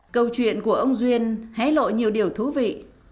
câu chuyện của ông duyên hé lộ nhiều điều thú vị